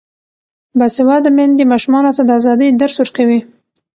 باسواده میندې ماشومانو ته د ازادۍ درس ورکوي.